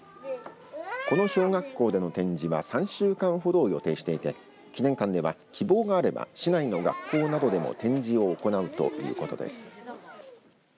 この小学校での展示は３週間ほどを予定していて記念館では希望があれば市内の学校などでも展示を行うということです。